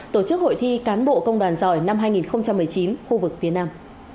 tổ chức hội thi cán bộ công đoàn giỏi năm hai nghìn một mươi chín khu vực phía nam